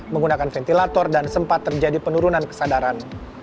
menggunakan ventilator dan sempat terjadi penurunan kesadaran